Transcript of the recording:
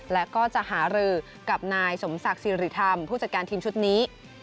และก็จะหารือกับนายสมศักดิ์สิริธรรมผู้จัดการทีมชุดนี้